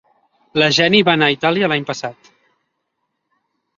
La Jenny va anar a Itàlia l'any passat.